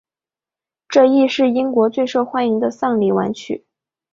这亦是英国最受欢迎的丧礼挽曲。